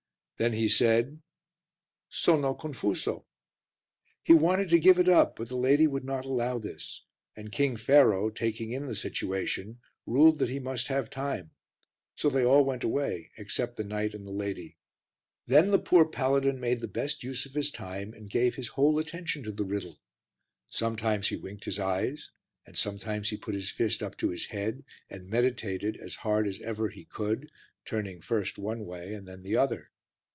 Then he said "Sono confuso." He wanted to give it up, but the lady would not allow this, and King Pharaoh, taking in the situation, ruled that he must have time; so they all went away except the knight and the lady. Then the poor paladin made the best use of his time and gave his whole attention to the riddle; sometimes he winked his eyes, and sometimes he put his fist up to his head and meditated as hard as ever he could, turning first one way and then the other.